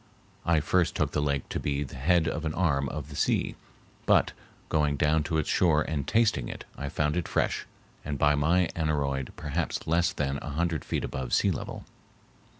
I first took the lake to be the head of an arm of the sea, but, going down to its shore and tasting it, I found it fresh, and by my aneroid perhaps less than a hundred feet above sea level.